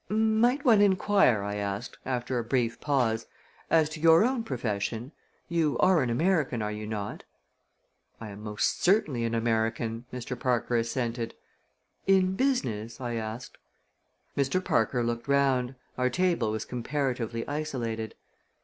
"Might one inquire," I asked, after a brief pause, "as to your own profession? You are an American, are you not?" "I am most certainly an American," Mr. Parker assented. "In business?" I asked. Mr. Parker looked round. Our table was comparatively isolated.